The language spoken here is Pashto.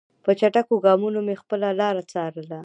په چټکو ګامونو مې خپله لاره څارله.